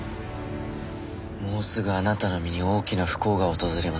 もうすぐあなたの身に大きな不幸が訪れますよ。